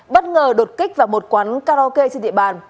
bất ngờ đột kích vào một quán karaoke trên địa bàn